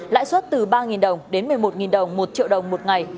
lãi suất từ ba đồng đến một mươi một đồng một triệu đồng một ngày